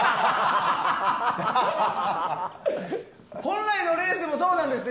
本来のレースもそうなんですって。